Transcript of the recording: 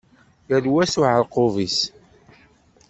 Yal wa s uɛerqub-is.